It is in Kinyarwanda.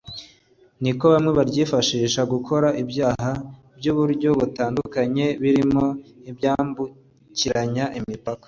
ni ko bamwe baryifashisha gukora ibyaha by’uburyo butandukanye birimo ibyambukiranya imipaka